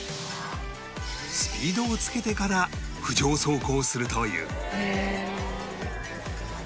スピードをつけてから浮上走行するという